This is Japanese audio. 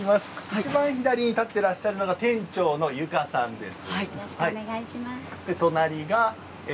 一番左に立ってらっしゃるのが店長の由夏さんです。